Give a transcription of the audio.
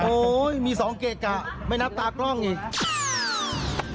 โอ้โหมีสองเกรดกะไม่นับตากล้องอีก